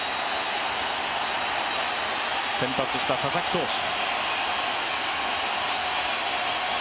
先発した佐々木投手。